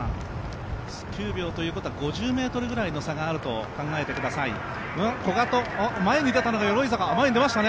９秒ということは５０ｍぐらいの差があると考えてください。